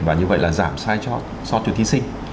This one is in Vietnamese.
và như vậy là giảm sai trót cho thí sinh